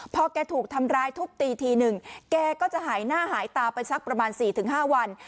พอแกถูกทำร้ายทุบตีทีหนึ่งแกก็จะหายหน้าหายตาไปสักประมาณ๔๕วัน